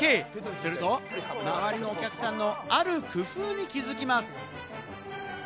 すると周りのお客さんの、ある工夫に気づきます。